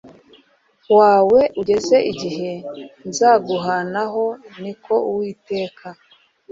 wawe ugeze igihe nzaguhanaho ni ko uwiteka